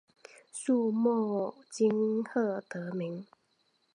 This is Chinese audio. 粟末靺鞨得名。